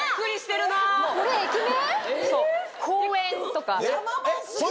「公園」とか。